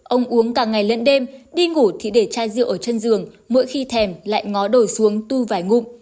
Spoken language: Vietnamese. ông uống cả ngày lẫn đêm đi ngủ thì để chai rượu ở chân giường mỗi khi thèm lại ngói đổi xuống tu vài ngụm